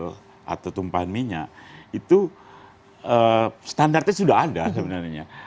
seperti oil spill atau tumpahan minyak itu standarnya sudah ada sebenarnya